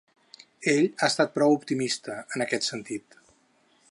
Ell ha estat prou optimista, en aquest sentit.